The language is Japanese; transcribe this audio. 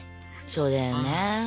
そうだよね。